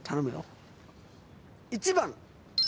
１番。